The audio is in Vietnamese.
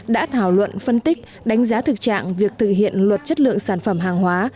đã thảo luận phân tích đánh giá thực trạng việc thực hiện luật chất lượng sản phẩm hàng hóa